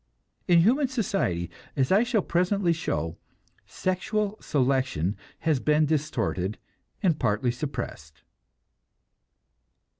In human society, as I shall presently show, sexual selection has been distorted, and partly suppressed.